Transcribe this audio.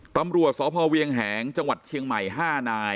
ตำรวจสพเวียงแหงจังหวัดเชียงใหม่๕นาย